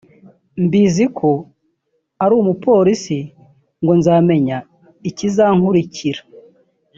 mbizi ko ari umupolisi ngo nzamenya ikizankurikira